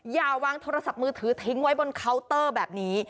อย่าวางโทรศัพท์มือถือทิ้งไว้บนเคาน์เตอร์แบบนี้